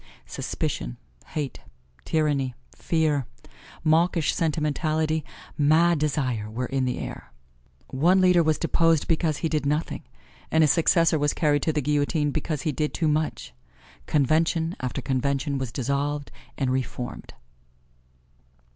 Suspicion, hate, tyranny, fear, mawkish sentimentality, mad desire, were in the air. One leader was deposed because he did nothing, and his successor was carried to the guillotine because he did too much. Convention after convention was dissolved and re formed.